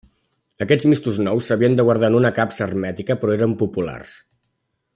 Aquests mistos nous s'havien de guardar en una capsa hermètica però eren populars.